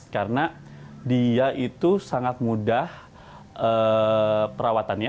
karena dia itu sangat mudah perawatannya